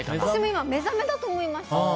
私も今、目覚めだと思いました。